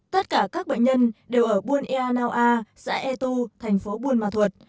tất cả các bệnh nhân đều ở buôn ea nau a xã e tu thành phố buôn ma thuật